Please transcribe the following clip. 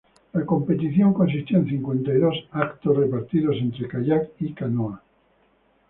La competición consistió en cincuenta y dos eventos, repartidos entre kayak y canoa.